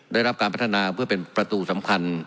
ได้รับการพัฒนาเพื่อเป็นประตูสำคัญ